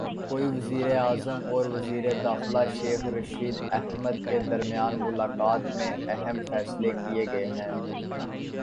کویتی وزیراعظم اور وزیر داخلہ شیخ رشید احمد کے درمیان ملاقات میں اہم فیصلے کیے گئے ہیں